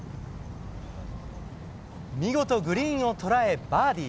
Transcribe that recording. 見事、グリーンを捉えバーディー。